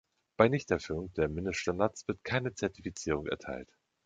Bei Nichterfüllung der Mindeststandards wird keine Zertifizierung erteilt.